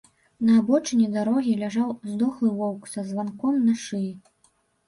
На абочыне дарогі ляжаў здохлы воўк са званком на шыі.